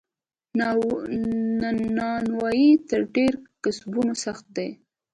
نانوایې تر ډیرو کسبونو سخته ده.